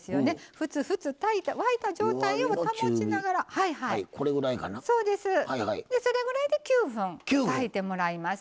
ふつふつ沸いた状態を保ちながらそれぐらいで９分炊いてもらいます。